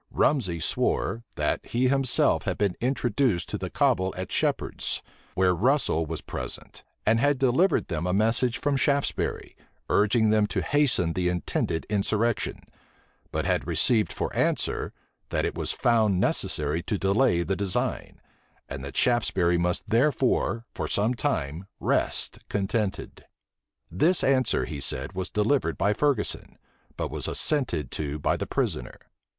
Rumsey swore, that he himself had been introduced to the cabal at Shephard's, where Russel was present; and had delivered them a message from Shaftesbury, urging them to hasten the intended insurrection; but had received for answer, that it was found necessary to delay the design, and that Shaftesbury must therefore, for some time, rest contented. This answer, he said, was delivered by Ferguson; but was assented to by the prisoner.